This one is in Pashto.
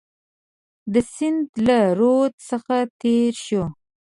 د سیند له رود څخه تېر شو.